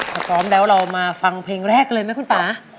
ถ้าพร้อมแล้วเรามาฟังเพลงแรกเลยไหมคุณป่า